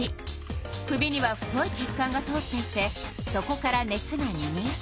首には太い血管が通っていてそこから熱がにげやすいの。